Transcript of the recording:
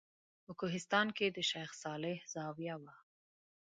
په کوهستان کې د شیخ صالح زاویه وه.